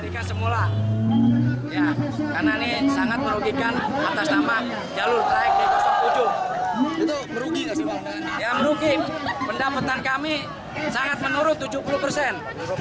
yang merugik pendapatan kami sangat menurun tujuh puluh persen